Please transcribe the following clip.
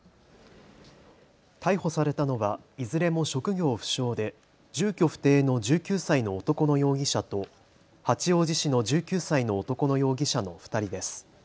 逮捕されたのはいずれも職業不詳で住居不定の１９歳の男の容疑者と八王子市の１９歳の男の容疑者の２人です。